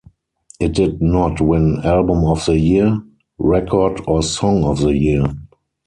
It did not win Album of the Year, Record or Song of the Year.